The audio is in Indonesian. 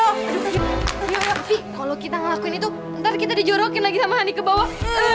aduh tapi tapi tapi tapi kalo kita ngelakuin itu ntar kita dijuruhin lagi sama hany ke bawah